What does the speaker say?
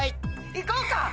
いこうか！